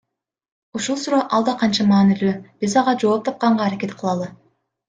Ушул суроо алда канча маанилүү, биз ага жооп тапканга аракет кылалы.